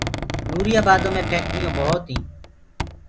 نوريآ بآدو مي ڦيڪٽريونٚ ڀوت هينٚ